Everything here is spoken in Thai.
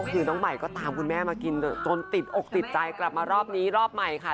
คือน้องใหม่ก็ตามคุณแม่มากินจนติดอกติดใจกลับมารอบนี้รอบใหม่ค่ะ